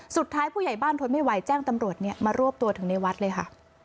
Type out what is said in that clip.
ผู้ใหญ่บ้านทนไม่ไหวแจ้งตำรวจมารวบตัวถึงในวัดเลยค่ะ